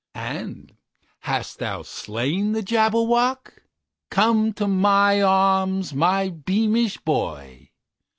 "And hast thou slain the Jabberwock? Come to my arms, my beamish boy!